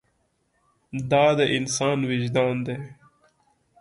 دا د انسان وجدان دی.